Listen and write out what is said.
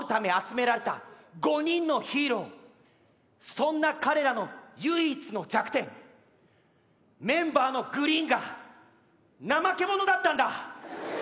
そんな彼らの唯一の弱点メンバーのグリーンが怠け者だったんだ！